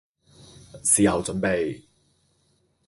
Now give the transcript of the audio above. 事後準備